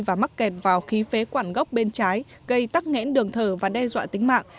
và mắc kẹt vào khí phế quản gốc bên trái gây tắc nghẽn đường thở và đe dọa tính mạng